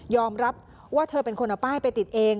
รับว่าเธอเป็นคนเอาป้ายไปติดเอง